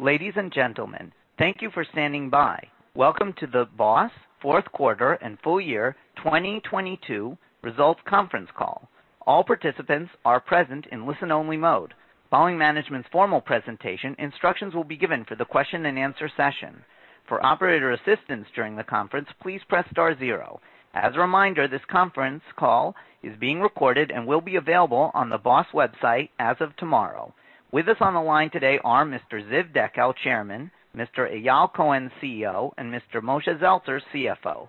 Ladies and gentlemen, thank you for standing by. Welcome to the BOS fourth quarter and full year 2022 results conference call. All participants are present in listen-only mode. Following management's formal presentation, instructions will be given for the question-and-answer session. For operator assistance during the conference, please press star zero. As a reminder, this conference call is being recorded and will be available on the BOS website as of tomorrow. With us on the line today are Mr. Ziv Dekel, Chairman, Mr. Eyal Cohen, CEO, and Mr. Moshe Zeltzer, CFO.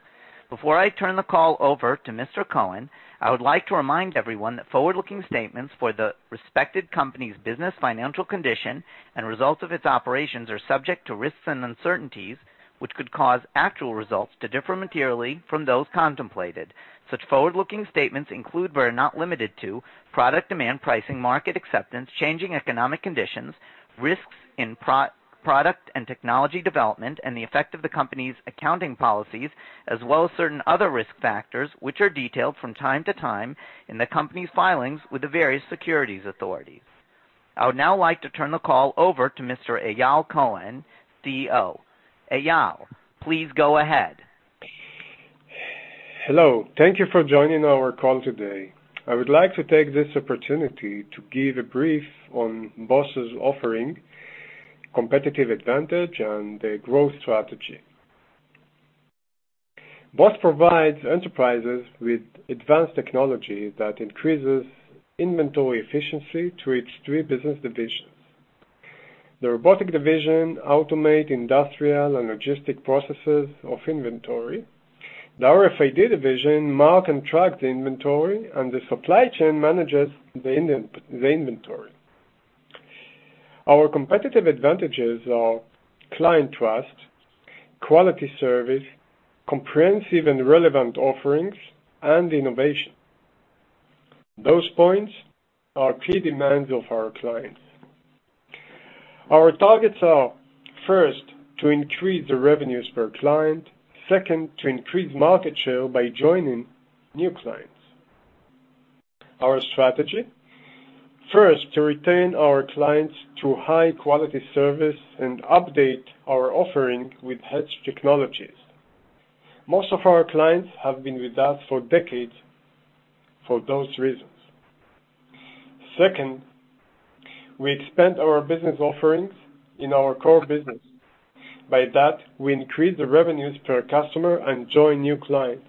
Before I turn the call over to Mr. Cohen, I would like to remind everyone that forward-looking statements for the respected company's business financial condition and results of its operations are subject to risks and uncertainties, which could cause actual results to differ materially from those contemplated. Such forward-looking statements include, but are not limited to, product demand pricing, market acceptance, changing economic conditions, risks in pro-product and technology development, and the effect of the company's accounting policies, as well as certain other risk factors, which are detailed from time to time in the company's filings with the various securities authorities. I would now like to turn the call over to Mr. Eyal Cohen, CEO. Eyal, please go ahead. Hello. Thank you for joining our call today. I would like to take this opportunity to give a brief on BOS's offering, competitive advantage, and the growth strategy. BOS provides enterprises with advanced technology that increases inventory efficiency to its three business divisions. The Robotics division automate industrial and logistic processes of inventory. The RFID division mark and track the inventory. The Supply Chain division manages the inventory. Our competitive advantages are client trust, quality service, comprehensive and relevant offerings, and innovation. Those points are key demands of our clients. Our targets are, first, to increase the revenues per client. Second, to increase market share by joining new clients. Our strategy, first, to retain our clients through high-quality service and update our offering with edge technologies. Most of our clients have been with us for decades for those reasons. Second, we expand our business offerings in our core business. By that, we increase the revenues per customer and join new clients.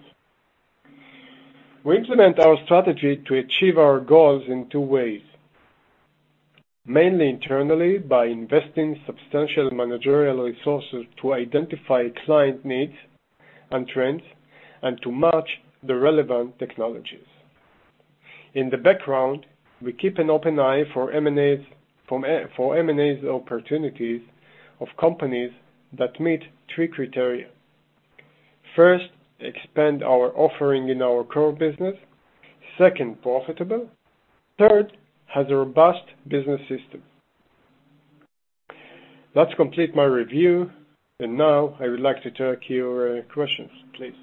We implement our strategy to achieve our goals in two ways, mainly internally by investing substantial managerial resources to identify client needs and trends and to match the relevant technologies. In the background, we keep an open eye for M&As opportunities of companies that meet three criteria. First, expand our offering in our core business. Second, profitable. Third, has a robust business system. That completes my review, and now I would like to take your questions, please.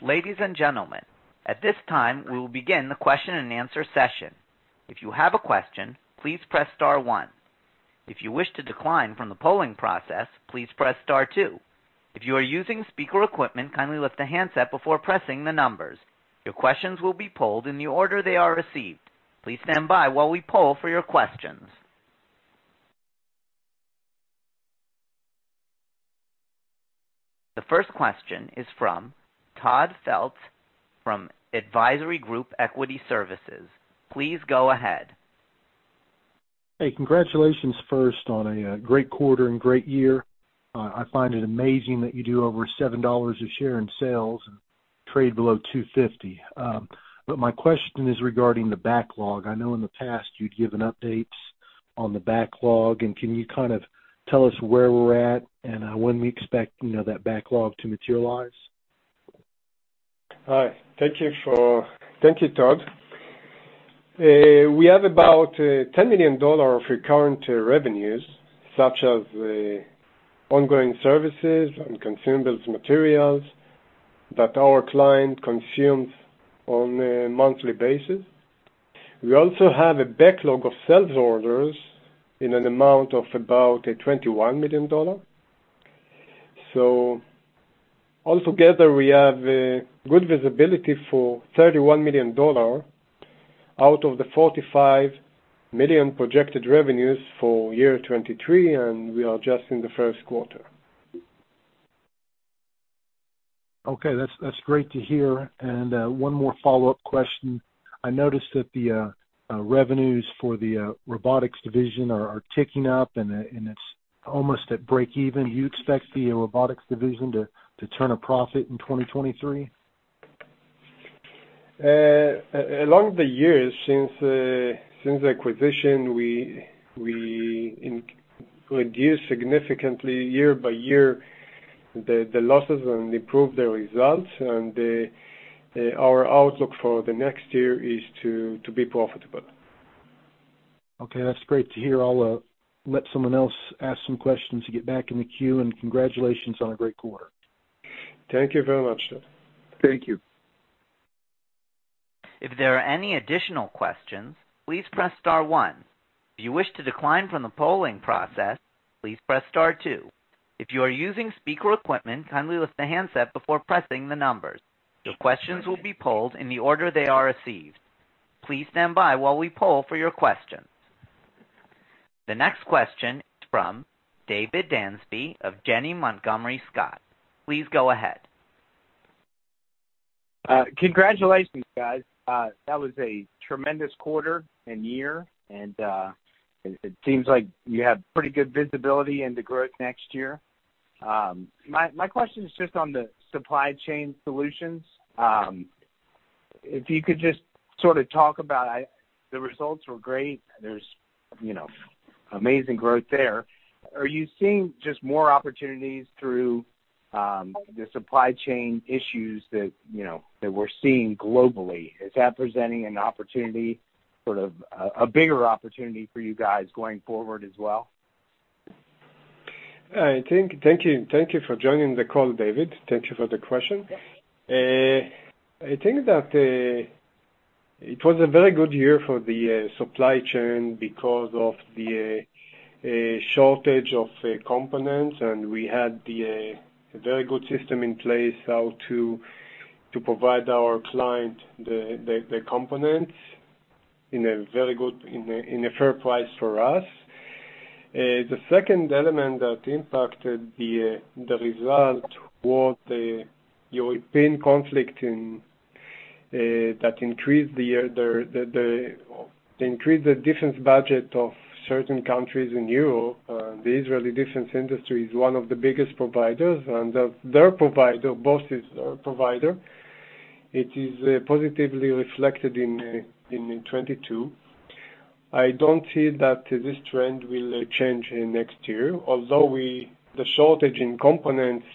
Ladies and gentlemen, at this time, we will begin the question-and-answer session. If you have a question, please press star one. If you wish to decline from the polling process, please press star two. If you are using speaker equipment, kindly lift the handset before pressing the numbers. Your questions will be polled in the order they are received. Please stand by while we poll for your questions. The first question is from Todd Felte from Advisory Group Equity Services. Please go ahead. Hey, congratulations first on a great quarter and great year. I find it amazing that you do over $7 a share in sales and trade below $2.50. My question is regarding the backlog. I know in the past you'd given updates on the backlog and can you kind of tell us where we're at and when we expect, you know, that backlog to materialize? Hi. Thank you, Todd. We have about $10 million of recurrent revenues, such as ongoing services and consumables, materials that our client consumes on a monthly basis. We also have a backlog of sales orders in an amount of about $21 million. Altogether we have a good visibility for $31 million out of the $45 million projected revenues for year 2023, and we are just in the first quarter. Okay. That's great to hear. One more follow-up question. I noticed that the revenues for the Robotics division are ticking up, and it's almost at breakeven. Do you expect the Robotics division to turn a profit in 2023? Along the years since the acquisition, we reduce significantly year by year the losses and improve the results. Our outlook for the next year is to be profitable. Okay. That's great to hear. I'll let someone else ask some questions to get back in the queue. Congratulations on a great quarter. Thank you very much, Todd. Thank you. If there are any additional questions, please press star one. If you wish to decline from the polling process, please press star two. If you are using speaker equipment, kindly lift the handset before pressing the numbers. Your questions will be polled in the order they are received. Please stand by while we poll for your questions. The next question is from David Dansby of Janney Montgomery Scott. Please go ahead. Congratulations, guys. That was a tremendous quarter and year, it seems like you have pretty good visibility into growth next year. My question is just on the Supply Chain solutions. If you could just sort of talk about. The results were great. There's, you know, amazing growth there. Are you seeing just more opportunities through the supply chain issues that, you know, that we're seeing globally? Is that presenting an opportunity, sort of a bigger opportunity for you guys going forward as well? Thank you. Thank you for joining the call, David. Thank you for the question. I think that it was a very good year for the Supply Chain because of the shortage of components, and we had a very good system in place how to provide our client the components in a very good, in a fair price for us. The second element that impacted the result was the European conflict that increased the defense budget of certain countries in Europe. The Israeli defense industry is one of the biggest providers, and their provider, BOS is a provider. It is positively reflected in 2022. I don't see that this trend will change in next year. Although the shortage in components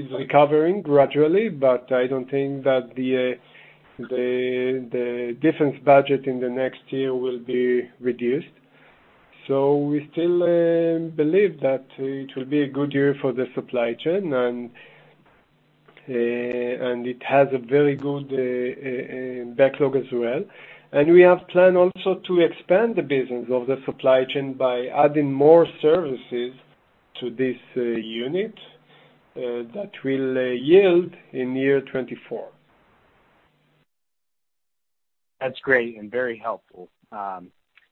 is recovering gradually, but I don't think that the defense budget in the next year will be reduced. We still believe that it will be a good year for the Supply Chain, and it has a very good backlog as well. We have planned also to expand the business of the Supply Chain by adding more services to this unit that will yield in year 2024. That's great and very helpful.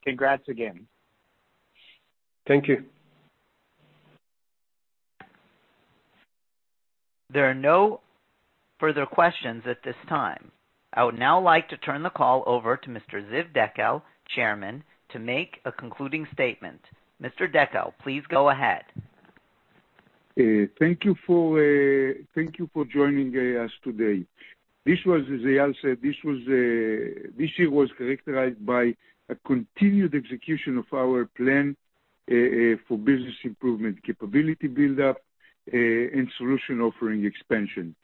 Congrats again. Thank you. There are no further questions at this time. I would now like to turn the call over to Mr. Ziv Dekel, Chairman, to make a concluding statement. Mr. Dekel, please go ahead. Thank you for joining us today. This was, as Eyal said, this year was characterized by a continued execution of our plan for business improvement capability build-up and solution offering expansion,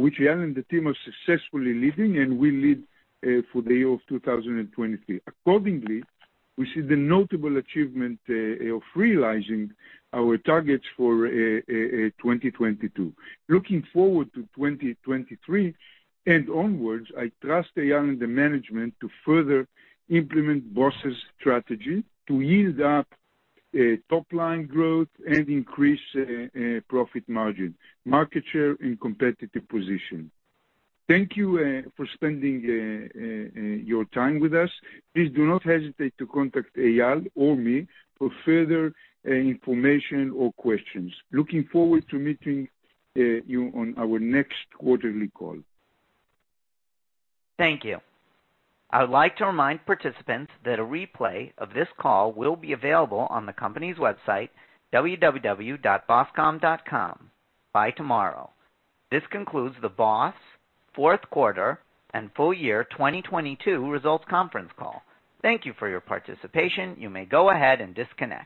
which Eyal and the team are successfully leading and will lead for the year of 2023. Accordingly, we see the notable achievement of realizing our targets for 2022. Looking forward to 2023 and onwards, I trust Eyal and the management to further implement BOS' strategy to yield up top-line growth and increase profit margin, market share and competitive position. Thank you for spending your time with us. Please do not hesitate to contact Eyal or me for further information or questions. Looking forward to meeting you on our next quarterly call. Thank you. I would like to remind participants that a replay of this call will be available on the company's website, www.boscom.com by tomorrow. This concludes the BOS fourth quarter and full year 2022 results conference call. Thank you for your participation. You may go ahead and disconnect.